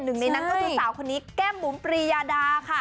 หนึ่งในนั้นก็คือสาวคนนี้แก้มบุ๋มปรียาดาค่ะ